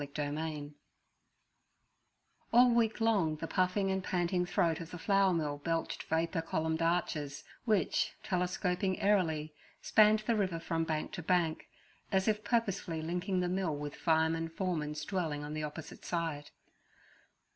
Chapter 3 ALL week long the puffing and panting throat of the flour mill belched vapour columned arches, which, telescoping airily, spanned the river from bank to bank, as if purposefully linking the mill with Fireman Foreman's dwelling on the opposite side.